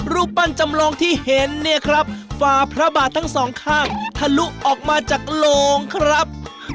รูปปั้นจำลองที่เห็นเนี่ยครับฝ่าพระบาททั้งสองข้างทะลุออกมาจากโลงครับ